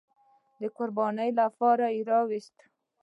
د قربانۍ لپاره راوست.